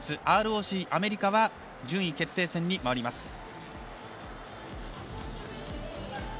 ＲＯＣ、アメリカが順位決定戦に回ります。